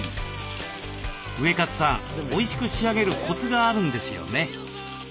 ウエカツさんおいしく仕上げるコツがあるんですよね。